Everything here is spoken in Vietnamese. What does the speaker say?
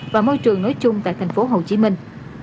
và môi trường nói chung tại thành phố hồ chí minh